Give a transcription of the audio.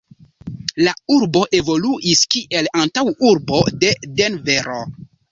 La urbo evoluis kiel antaŭurbo de Denvero.